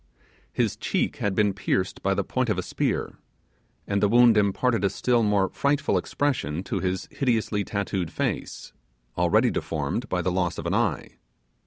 His cheek had been pierced by the point of a spear, and the wound imparted a still more frightful expression to his hideously tattooed face, already deformed by the loss of an eye.